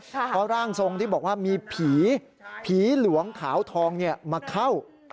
เพราะร่างทรงที่บอกว่ามีผีผีหลวงขาวทองมาเข้า